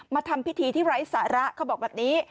ทำพิธีที่ไร้สาระเขาบอกแบบนี้